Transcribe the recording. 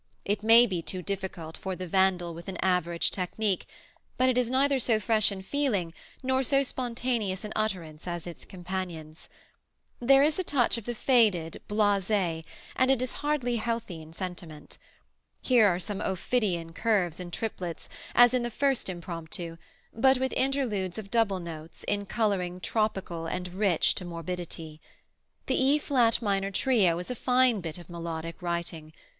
It may be too difficult for the vandal with an average technique, but it is neither so fresh in feeling nor so spontaneous in utterance as its companions. There is a touch of the faded, blase, and it is hardly healthy in sentiment. Here are some ophidian curves in triplets, as in the first Impromptu, but with interludes of double notes, in coloring tropical and rich to morbidity. The E flat minor trio is a fine bit of melodic writing.